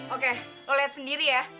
oke lo liat sendiri ya